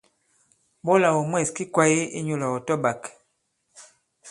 Ɓɔlà ɔ̀ mwɛ̂s ki kwāye inyūlà ɔ̀ tɔ-ɓāk.